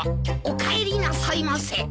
おかえりなさいませ。